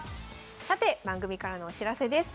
さて番組からのお知らせです。